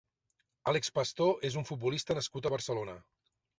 Álex Pastor és un futbolista nascut a Barcelona.